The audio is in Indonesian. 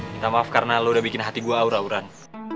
minta maaf karena lo udah bikin hati gue aur auran